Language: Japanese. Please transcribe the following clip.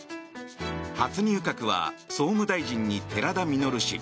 初入閣は総務大臣に寺田稔氏